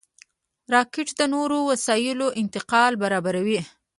راکټ د نورو وسایلو انتقال برابروي